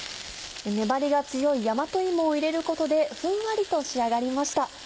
粘りが強い大和芋を入れることでふんわりと仕上がりました。